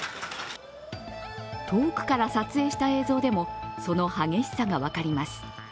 遠くから撮影した映像でもその激しさが分かります。